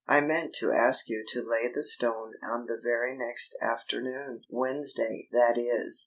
"I meant to ask you to lay the stone on the very next afternoon Wednesday, that is!"